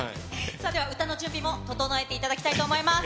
では、歌の準備も整えていただきたいと思います。